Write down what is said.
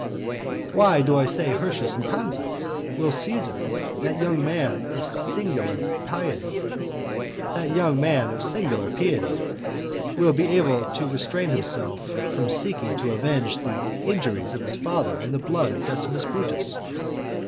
Why do I say Hirtius and Pansa? Will Caesar, that young man of singular piety, be able to restrain himself from seeking to avenge the injuries of his father in the blood of Decimus Brutus?